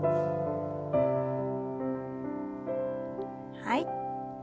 はい。